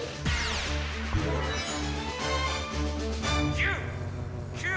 「１０９８」。